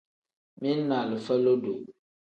Mili ni alifa lodo.